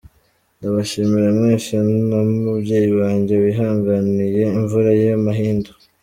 Ndabashimira mwese n’umubyeyi wanjye wihanganiye imvura y’amahindu.